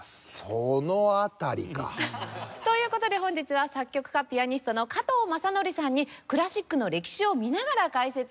その辺りか。という事で本日は作曲家・ピアニストの加藤昌則さんにクラシックの歴史を見ながら解説をして頂きます。